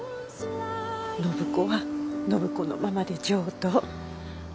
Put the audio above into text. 暢子は暢子のままで上等。